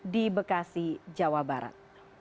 di bekasi jawa barat